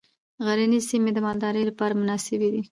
غرنیزې سیمې د مالدارۍ لپاره مناسبې دي.